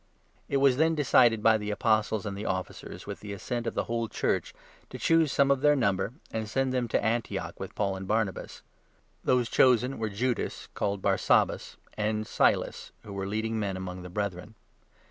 It was then decided by the Apostles and the Officers, with the 22 assent of the whole Church, to choose some of their number, and send them to Antioch with Paul and Barnabas. Those chosen were Judas (called Barsabas) and Silas, who were leading men among the Brethren.